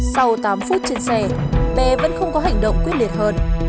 sau tám phút trên xe bé vẫn không có hành động quyết liệt hơn